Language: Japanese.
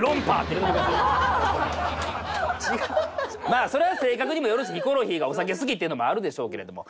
まあそれは性格にもよるしヒコロヒーがお酒好きっていうのもあるでしょうけれども。